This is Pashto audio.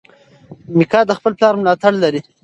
میکا د خپل پلار ملاتړ لري.